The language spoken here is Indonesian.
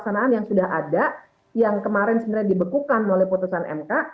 pelaksanaan yang sudah ada yang kemarin sebenarnya dibekukan oleh putusan mk